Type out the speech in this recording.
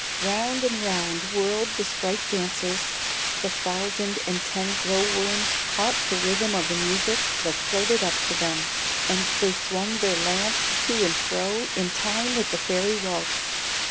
Round and round whirled the sprite dancers; the thousand and ten glowworms caught the rhythm of the music that floated up to them, and they swung their lamps to and fro in time with the fairy waltz.